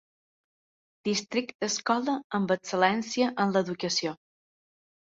Districte escola amb excel·lència en l'educació.